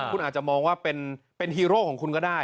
คุณอาจจะมองว่าเป็นฮีโร่ของคุณก็ได้